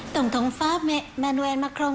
tổng thống pháp emmanuel macron